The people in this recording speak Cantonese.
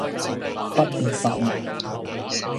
不二法門